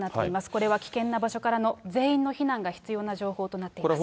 これは危険な場所からの全員の避難が必要な情報となっています。